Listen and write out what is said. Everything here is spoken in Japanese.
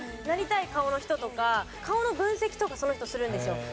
なりたい顔の人とか顔の分析とかその人するんですよ。